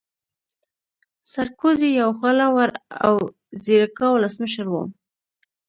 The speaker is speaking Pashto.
سرکوزی يو خوله ور او ځيرکا ولسمشر وو